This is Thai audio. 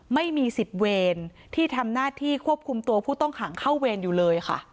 ไม่มี๑๐เวรที่ทำหน้าที่ควบคุมตัวผู้ต้องขังเข้าเวรอยู่เลยค่ะ